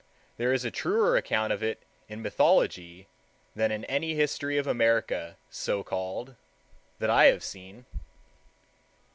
There is a truer amount of it in mythology than in any history of America, so called, that I have seen.